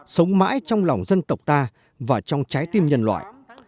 sống mãi trong lòng dân tộc ta và trong trái tim nhân loại